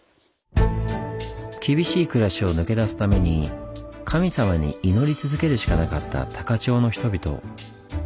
厳しい暮らしを抜け出すために神様に祈り続けるしかなかった高千穂の人々。